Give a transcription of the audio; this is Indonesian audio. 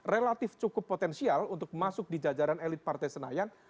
relatif cukup potensial untuk masuk di jajaran elit partai senayan